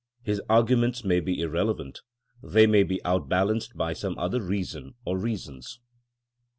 His argu ments may be irrelevant; they may be outbal anced by some other reason or reasons.